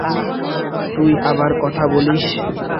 তুই আবার কথা বলিস!